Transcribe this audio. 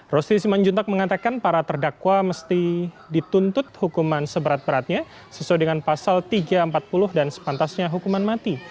rosti simanjuntak mengatakan para terdakwa mesti dituntut hukuman seberat beratnya sesuai dengan pasal tiga ratus empat puluh dan sepantasnya hukuman mati